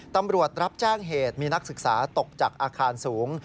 ตำรวจรับแจ้งเหตุมีนักศึกษาตกจากอาคารสูง